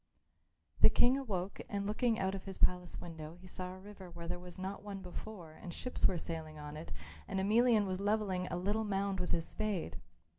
The King awoke and looking out of his palace window he saw a river where there was not one before and ships were sailing on it and Emelian was levelling a little mound with his spade.